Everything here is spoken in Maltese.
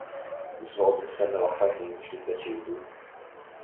Mhux se noqogħdu nistennew aktar ħin biex niddeċiedu.